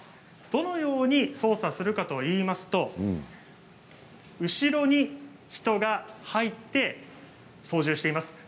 どのように操作するかと言いますと後ろに人が入って操縦しています。